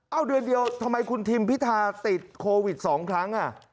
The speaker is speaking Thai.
เอาเดือนเดียวทำไมคุณทิมพิธาติดโควิด๒ครั้ง